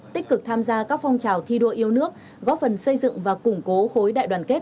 tích cực tham gia các phong trào thi đua yêu nước góp phần xây dựng và củng cố khối đại đoàn kết